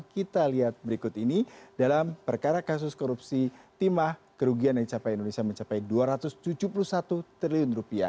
kita lihat berikut ini dalam perkara kasus korupsi timah kerugian yang dicapai indonesia mencapai rp dua ratus tujuh puluh satu triliun